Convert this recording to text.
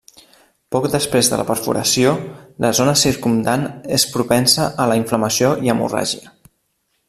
Poc després de la perforació, la zona circumdant és propensa a la inflamació i hemorràgia.